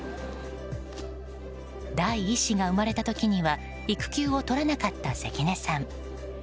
第１子が生まれた時には育休を取らなかった関根さん。